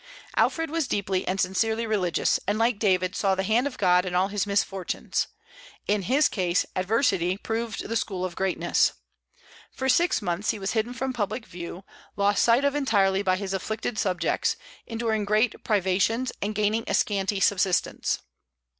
Alfred was deeply and sincerely religious, and like David saw the hand of God in all his misfortunes. In his case adversity proved the school of greatness. For six months he was hidden from public view, lost sight of entirely by his afflicted subjects, enduring great privations, and gaining a scanty subsistence.